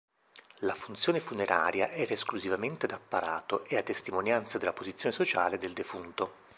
La funzione funeraria era esclusivamente d'apparato e a testimonianza della posizione sociale del defunto.